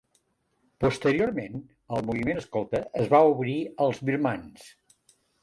Posteriorment, el moviment escolta es va obrir als birmans.